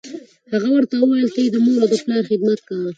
هغه ورته وویل: ته دې د مور و پلار خدمت کوه.